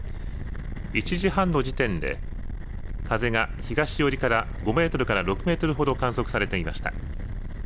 １時半の時点で風が東寄りから５メートルから６メートルほど観測されていました。